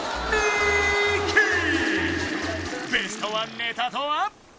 ベストワンネタとは？